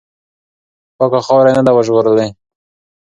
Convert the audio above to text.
پاکه خاوره یې نه ده وژغورلې.